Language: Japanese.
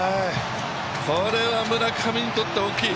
これは村上にとって大きい。